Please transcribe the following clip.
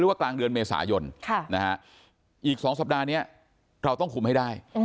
ว่ากลางเดือนเมษายนอีก๒สัปดาห์นี้เราต้องคุมให้ได้